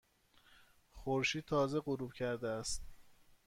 خورشید تازه غروب کرده است.